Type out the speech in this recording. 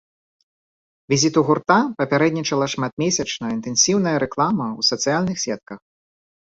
Візіту гурта папярэднічала шматмесячная інтэнсіўная рэклама ў сацыяльных сетках.